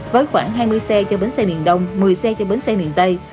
với khoảng hai mươi xe cho bến xe miền đông một mươi xe cho bến xe miền tây